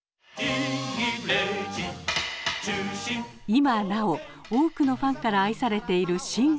今なお多くのファンから愛されている「新八犬伝」。